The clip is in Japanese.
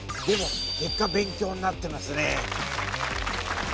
でも結果勉強になってますね！